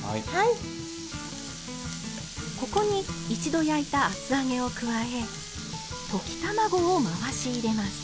ここに一度焼いた厚揚げを加え溶き卵を回し入れます。